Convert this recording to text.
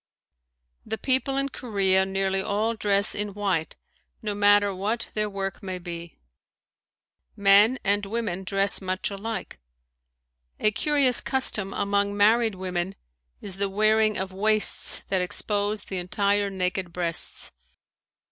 The people in Korea nearly all dress in white no matter what their work may be. Men and women dress much alike. A curious custom among married women is the wearing of waists that expose the entire naked breasts.